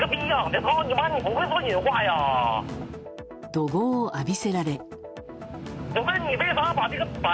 怒号を浴びせられ。